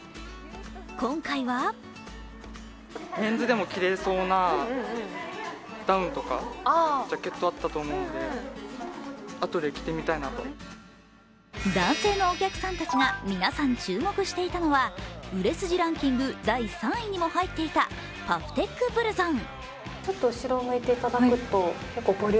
今回は男性のお客さんたちが皆さん注目していたのは売れ筋ランキング第３位にも入っていたパフテックブルゾン。